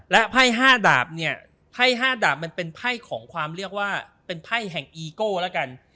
ไพ่๕ดาบเนี่ยไพ่๕ดาบมันเป็นไพ่ของความเรียกว่าเป็นไพ่แห่งอีโก้แล้วกัน